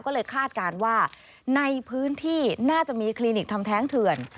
ก็เลยคาดการณ์ว่าในพื้นที่น่าจะมีคลินิกทำแท้งเถื่อน